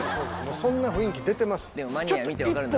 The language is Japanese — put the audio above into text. そんな雰囲気出てます。